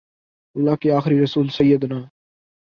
اللہ کے آخری رسول سیدنا